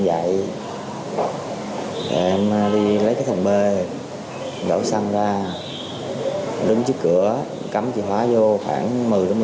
hãy xem video này hãy like và đăng ký kênh để ủng hộ kênh tus ap nhé